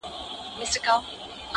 درې ملګري وه یو علم بل عزت وو!!